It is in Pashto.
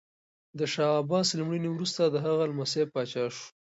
د شاه عباس له مړینې وروسته د هغه لمسی پاچا شو.